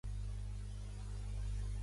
El meu fill es diu Theo: te, hac, e, o.